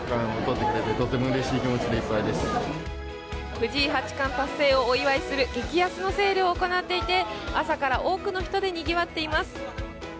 藤井八冠達成をお祝いする激安のセールが行われていて、朝から多くの人でにぎわっています。